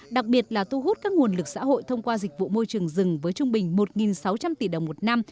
đặc biệt là thu hút các nguồn lực xã hội thông qua dịch vụ môi trường rừng với trung bình một sáu trăm linh tỷ đồng một năm